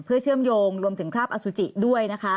เพื่อเชื่อมโยงรวมถึงคราบอสุจิด้วยนะคะ